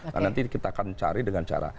nah nanti kita akan cari dengan cara